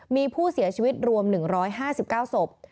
มีผู้เสียชีวิตรวม๑๕๙ศพ